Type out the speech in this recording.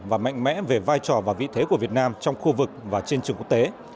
và mạnh mẽ về vai trò và vị thế của việt nam trong khu vực và trên trường quốc tế